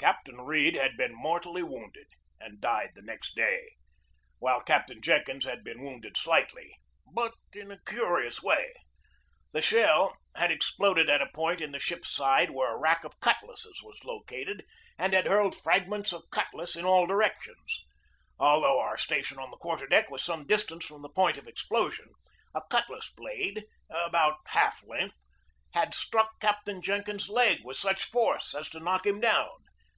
Captain Read had been mortally wounded and died the next day, while Captain Jenkins had been wounded slightly, but in a curious way. The shell had exploded at a point in the ship's side where a rack of cutlasses was located and had hurled frag ments of cutlass in all directions. Although our sta tion on the quarter deck was some distance from the point of explosion, a cutlass blade (about half length) had struck Captain Jenkins's leg with such force as to knock him down.